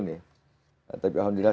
nih tapi alhamdulillah